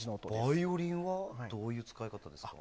バイオリンはどういう使い方ですか？